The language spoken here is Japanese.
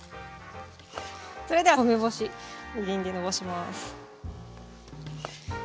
それでは梅干しみりんでのばします。